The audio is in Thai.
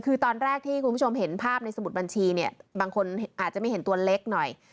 คือตอนแรกที่คุณผู้ชมเห็นภาพในสมุดบัญชีเนี่ยบางคนอาจจะไม่เห็นตัวเล็กหน่อย